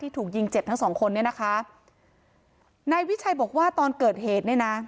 ถูกยิงเจ็บทั้งสองคนเนี่ยนะคะนายวิชัยบอกว่าตอนเกิดเหตุเนี่ยนะ